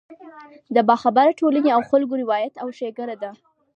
د باخبره ټولنې او خلکو روایت او ښېګړه ده.